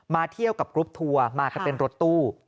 เที่ยวกับกรุ๊ปทัวร์มากันเป็นรถตู้